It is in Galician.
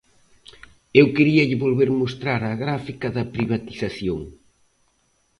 Eu queríalle volver mostrar a gráfica da privatización.